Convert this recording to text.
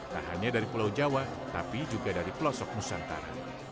tak hanya dari pulau jawa tapi juga dari pelosok nusantara